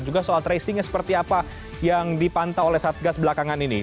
juga soal tracingnya seperti apa yang dipantau oleh satgas belakangan ini